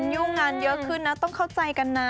ยุ่งงานเยอะขึ้นนะต้องเข้าใจกันนะ